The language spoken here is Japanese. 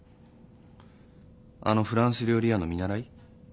あのフランス料理屋の見習い？